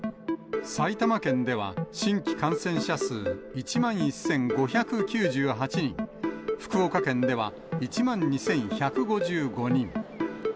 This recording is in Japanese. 埼玉県では、新規感染者数１万１５９８人、福岡県では１万２１５５人。